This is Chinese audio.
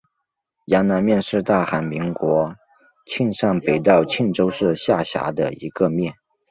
阳南面是大韩民国庆尚北道庆州市下辖的一个面。